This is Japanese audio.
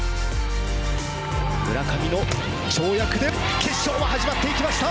村上の跳躍で決勝は始まっていきました。